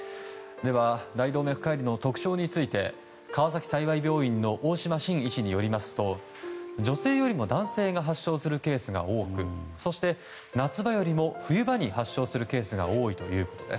大動脈解離の特徴について川崎幸病院の大島晋医師は女性より男性が発症するケースが多く夏場より冬場に発症するケースが多いということです。